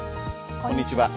こんにちは。